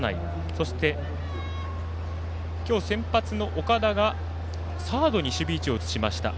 そして今日、先発の岡田がサードに守備位置を移しました。